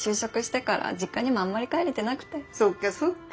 そっかそっか。